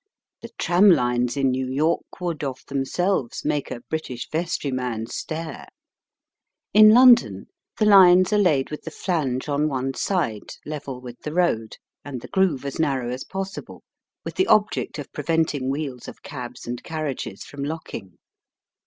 The tram lines in New York would of themselves make a British vestryman stare. In London the lines are laid with the flange on one side level with the Digitized by VjOOQIC 22 EAST BY WEST. road, and the grove as narrow as possible, with the object of preventing wheels of cabs and carriages from locking.